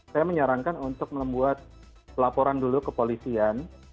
saya menyarankan untuk membuat laporan dulu ke polisian